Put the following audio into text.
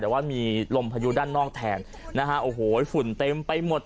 แต่ว่ามีลมพายุด้านนอกแทนนะฮะโอ้โหฝุ่นเต็มไปหมด